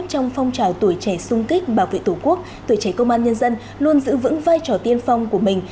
trong phong trào tuổi trẻ sung kích bảo vệ tổ quốc tuổi trẻ công an nhân dân luôn giữ vững vai trò tiên phong của mình